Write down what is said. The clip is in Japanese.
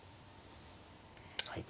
はい。